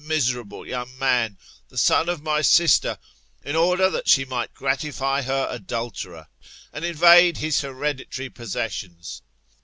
JI miserable young man, the son of my sister, in order that she might gratify her adulterer, and invade his hereditary possessions.